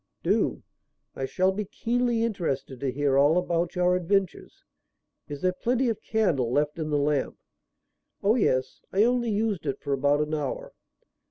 "Do. I shall be keenly interested to hear all about your adventures. Is there plenty of candle left in the lamp?" "Oh yes. I only used it for about an hour."